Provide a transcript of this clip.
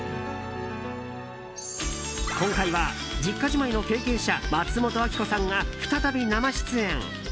今回は実家じまいの経験者松本明子さんが再び生出演。